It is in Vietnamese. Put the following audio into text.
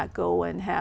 trong hai năm